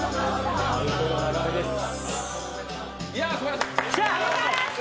すばらしい！